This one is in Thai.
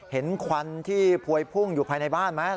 ควันที่พวยพุ่งอยู่ภายในบ้านไหม